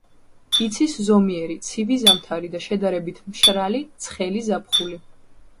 იცის ზომიერი ცივი ზამთარი და შედარებით მშრალი ცხელი ზაფხული.